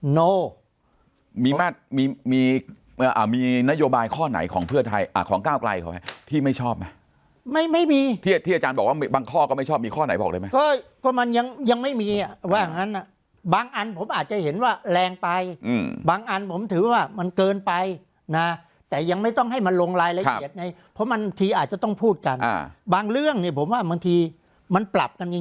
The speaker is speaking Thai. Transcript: โนมีมีนโยบายข้อไหนของเพื่อไทยของก้าวไกลเขาที่ไม่ชอบไหมไม่ไม่มีที่อาจารย์บอกว่าบางข้อก็ไม่ชอบมีข้อไหนบอกเลยไหมก็มันยังยังไม่มีอ่ะว่างั้นบางอันผมอาจจะเห็นว่าแรงไปบางอันผมถือว่ามันเกินไปนะแต่ยังไม่ต้องให้มันลงรายละเอียดไงเพราะบางทีอาจจะต้องพูดกันบางเรื่องเนี่ยผมว่าบางทีมันปรับกันจริง